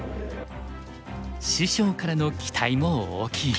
師匠からの期待も大きい。